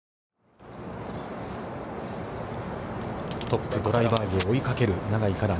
トップ、ドライバーグを追いかける、永井花奈。